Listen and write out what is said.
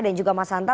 dan juga mas santa